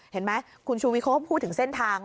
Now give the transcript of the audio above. เห็นไหมคุณชูวิทเขาก็พูดถึงเส้นทาง